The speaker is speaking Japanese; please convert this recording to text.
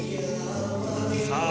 さあ